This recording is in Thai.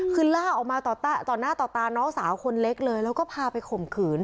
คือล่าออกมาต่อหน้าต่อตาน้องสาวคนเล็กเลยแล้วก็พาไปข่มขืน